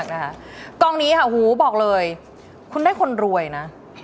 กองนี้ค่ะหูบอกเลยคุณได้คนรวยนะ